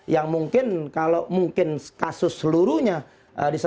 yang mungkin kalau mungkin kalau mereka mencari kemampuan mereka akan mencari kemampuan